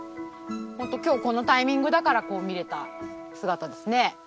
本当今日このタイミングだから見れた姿ですね。